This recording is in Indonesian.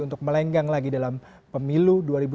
untuk melenggang lagi dalam pemilu